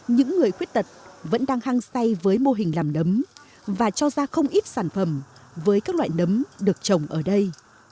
những người khuyết tật vẫn đang hăng say với mô hình làm nấm và cho ra không ít sản phẩm với các loại nấm được trồng ở đây